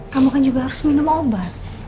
kamu kan juga harus minum obat